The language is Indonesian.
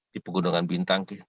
di pegunungan bintang